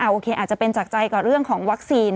โอเคอาจจะเป็นจากใจกับเรื่องของวัคซีน